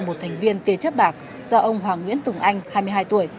một thành viên tia chất bạc do ông hoàng nguyễn tùng anh hai mươi hai tuổi